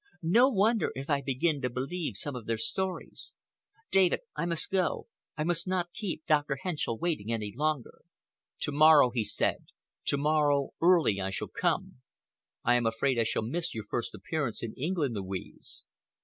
No wonder if I begin to believe some of their stories. David, I must go. I must not keep Dr. Henschell waiting any longer." "To morrow," he said, "to morrow early I shall come. I am afraid I shall miss your first appearance in England, Louise."